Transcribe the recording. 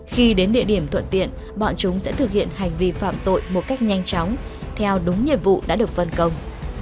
khi đến địa điểm thuận tiện bọn chúng sẽ thực hiện hành vi phạm tội một cách nhanh chóng theo đúng nhiệm vụ đã được phân công